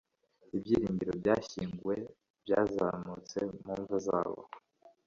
Ibyiringiro byashyinguwe byazamutse mu mva zabo